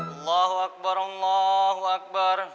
allahu akbar allahu akbar